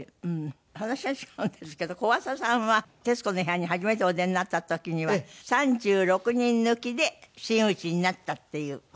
話は違うんですけど小朝さんは『徹子の部屋』に初めてお出になった時には３６人抜きで真打ちになったっていう。